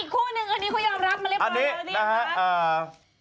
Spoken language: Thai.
อีกคู่หนึ่งอันนี้กูยอมรับมาเรียบร้อยเร็วเรียบร้อย